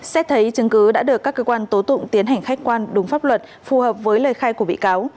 xét thấy chứng cứ đã được các cơ quan tố tụng tiến hành khách quan đúng pháp luật phù hợp với lời khai của bị cáo